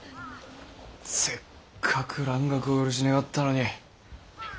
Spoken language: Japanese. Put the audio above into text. せっかく蘭学をお許し願ったのに。